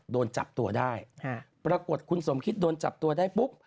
โดนจับตัวได้ปรากฏคุณสมคิดโดนจับตัวได้ปุ๊บ